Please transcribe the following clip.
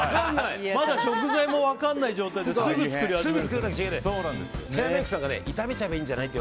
まだ食材も分からない状態ですぐ作り始めないと。